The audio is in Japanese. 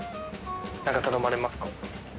なんか頼まれますか？